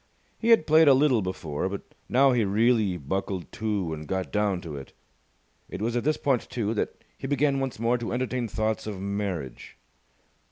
He had played a little before, but now he really buckled to and got down to it. It was at this point, too, that he began once more to entertain thoughts of marriage.